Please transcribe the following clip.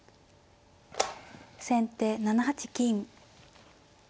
先手７八金。